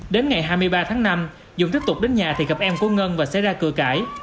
đến ngày hai mươi ba tháng năm dũng tiếp tục đến nhà thì gặp em của ngân và xảy ra cửa cãi